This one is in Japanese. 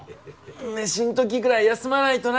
メシん時ぐらい休まないとな。